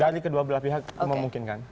dari kedua belah pihak memungkinkan